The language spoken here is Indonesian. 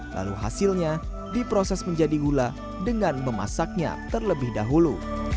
lalu hasilnya diproses menjadi gula dengan memasaknya terlebih dahulu